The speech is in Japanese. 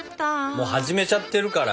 もう始めちゃってるから。